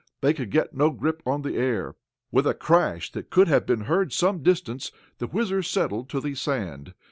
They could get no grip on the air. With a crash that could have been heard some distance the WHIZZER settled to the sand.